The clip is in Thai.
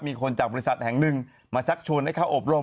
มีคนจากบริษัทแห่งหนึ่งมาชักชวนให้เข้าอบรม